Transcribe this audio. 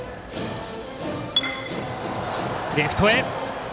レフトへ。